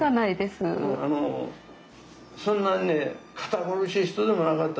あのそんなね堅苦しい人でもなかった。